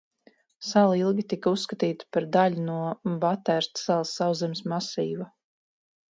Sala ilgi tika uzskatīta par daļu no Batērsta salas sauszemes masīva.